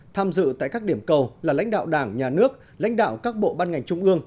tham dự tại các điểm cầu là lãnh đạo đảng nhà nước lãnh đạo các bộ ban ngành trung ương